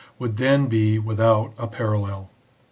would then be without a parallel.